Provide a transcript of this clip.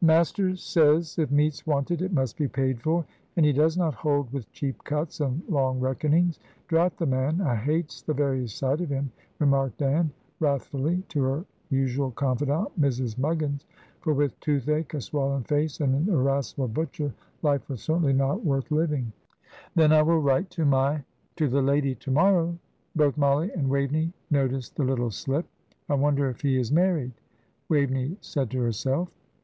"'Master says if meat's wanted it must be paid for, and he does not hold with cheap cuts and long reckonings.' Drat the man! I hates the very sight of him," remarked Ann, wrathfully, to her usual confidante, Mrs. Muggins for with toothache, a swollen face, and an irascible butcher, life was certainly not worth living. "Then I will write to my to the lady to morrow." Both Mollie and Waveney noticed the little slip. "I wonder if he is married," Waveney said to herself.